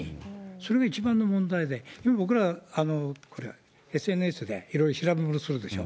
それが一番の問題で、僕ら、ＳＮＳでいろいろ調べものするでしょ。